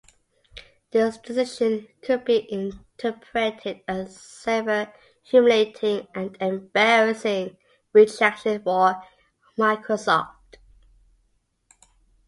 This decision could be interpreted as a severe, humiliating and embarrassing rejection for Microsoft.